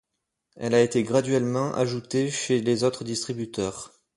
Elle a été graduellement ajoutés chez les autres distributeurs.